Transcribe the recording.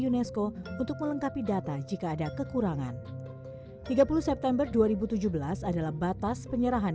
unesco untuk melengkapi data jika ada kekurangan tiga puluh september dua ribu tujuh belas adalah batas penyerahan